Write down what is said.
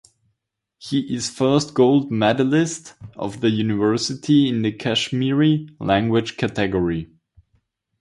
He is first gold medalist of the university in the Kashmiri language category.